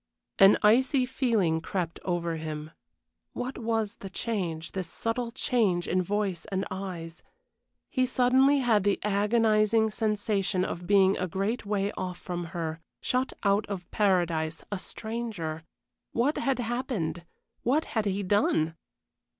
An icy feeling crept over him. What was the change, this subtle change in voice and eyes? He suddenly had the agonizing sensation of being a great way off from her, shut out of paradise a stranger. What had happened? What had he done?